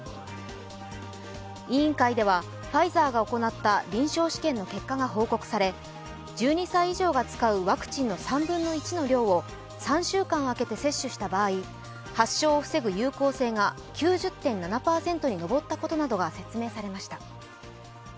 委員会ではファイザーが行った臨床試験の結果が報告され、１２歳以上が使うワクチンの３分の１の量を３週間空けて接種した場合発症を防ぐ有効性が９０．７％に上ったことなどが説明されました。